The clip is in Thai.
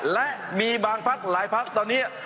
และมีบางภาคหลายภาคตอนนี้